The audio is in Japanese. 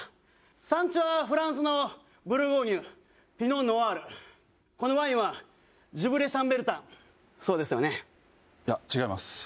産地はフランスのブルゴーニュピノ・ノワールこのワインはジュヴレ・シャンベルタンそうですよね？